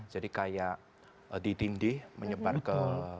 jadi kayak di dinding menyebar ke